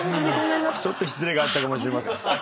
ちょっと失礼があったかもしれません。